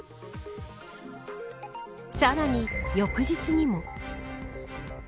さらに、翌日にも。